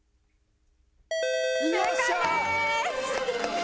よっしゃー！